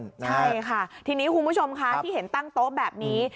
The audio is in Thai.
ใช่ค่ะทีนี้คุณผู้ชมคะที่เห็นตั้งโต๊ะแบบนี้